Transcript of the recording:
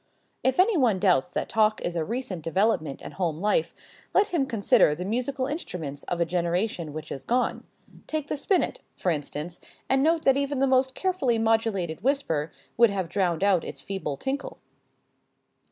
If any one doubts that talk is a recent development in home life, let him consider the musical instruments of a generation which is gone. Take the spinnet, for instance, and note that even the most carefully modulated whisper would have drowned out its feeble tinkle.